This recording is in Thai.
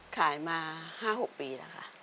ขายมา๕๖ปีแล้วค่ะ